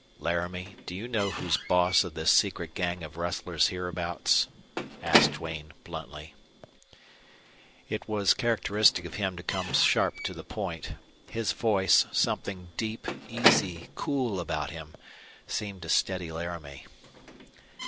"Laramie, do you know who's boss of this secret gang of rustlers hereabouts?" asked Duane, bluntly. It was characteristic of him to come sharp to the point. His voice something deep, easy, cool about him seemed to steady Laramie.